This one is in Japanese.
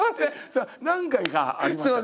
何回かありましたね。